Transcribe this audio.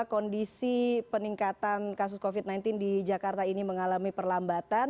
kondisi peningkatan kasus covid sembilan belas di jakarta ini mengalami perlambatan